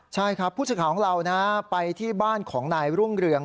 ใช่ครับผู้สื่อข่าวของเราไปที่บ้านของนายรุ่งเรือง